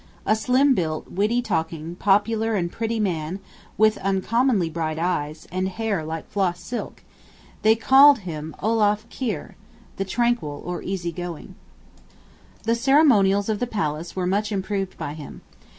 A slim built, witty talking, popular and pretty man, with uncommonly bright eyes, and hair like floss silk: they called him Olaf Kyrre (the Tranquil or Easygoing). The ceremonials of the palace were much improved by him.